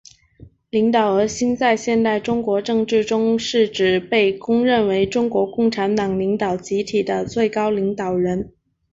领导核心在现代中国政治中是指被公认为中国共产党领导集体的最高领导人。